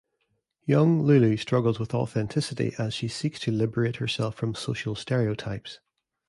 Young Lulu struggles with authenticity as she seeks to liberate herself from social stereotypes.